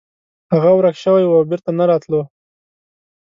هغه ورک شوی و او بیرته نه راتلو.